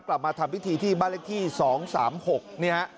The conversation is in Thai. กลับมาทำวิธีที่บ้านเล็กที่๒๓๖